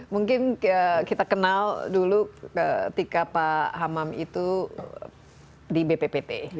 mungkin kita kenal dulu ketika pak hamam itu di bppt